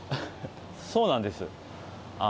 そうなんです。